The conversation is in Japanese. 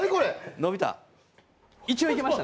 伸びた。